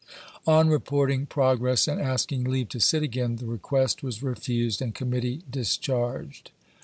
On reporting piogress, and asking leave to sit again, the request wa« refused, and Committee discharged.